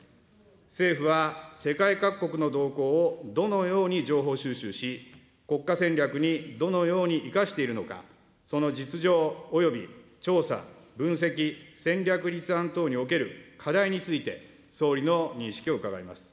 政府は世界各国の動向をどのように情報収集し、国家戦略にどのように生かしているのか、その実情および調査、分析、戦略立案等における課題について、総理の認識を伺います。